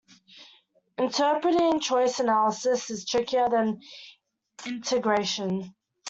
Interpreting Choice analysis is trickier than Integration.